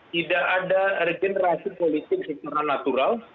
tidak ada regenerasi politik secara natural